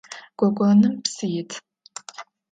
Гогоным псы ит.